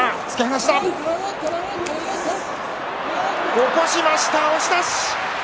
起こしました、押し出し。